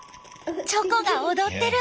チョコが踊ってる！